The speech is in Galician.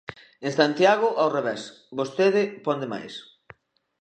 En Santiago ao revés, vostede pon de máis.